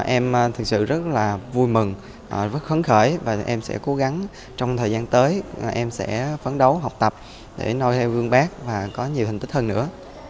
em thật sự rất vui mừng rất khấn khởi và em sẽ cố gắng trong thời gian tới em sẽ phấn đấu học tập để nôi theo vương bác và có nhiều thành tích hơn nữa